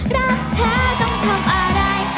รักเธอต้องทำอะไร